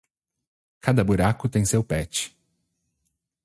Cada buraco tem seu patch.